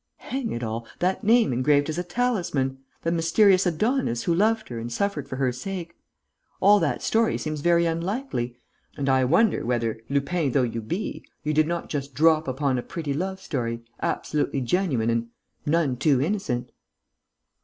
"Hang it all, that name engraved as a talisman!... The mysterious Adonis who loved her and suffered for her sake!... All that story seems very unlikely; and I wonder whether, Lupin though you be, you did not just drop upon a pretty love story, absolutely genuine and ... none too innocent."